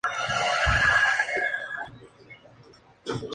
Todavía hay mucha incertidumbre sobre cómo funciona realmente la migración celular.